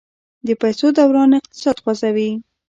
د پیسو دوران اقتصاد خوځوي.